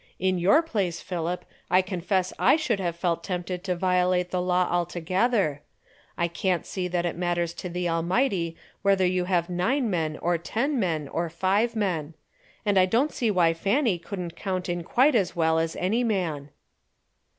In your place, Philip, I confess I should have felt tempted to violate the law altogether. I can't see that it matters to the Almighty whether you have nine men or ten men or five men. And I don't see why Fanny couldn't count in quite as well as any man."